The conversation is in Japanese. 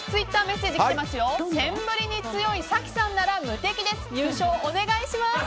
センブリに強い早紀さんなら無敵です！